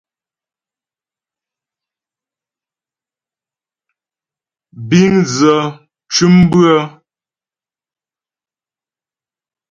Bíŋ dzə mcʉ̌m bʉ́ə.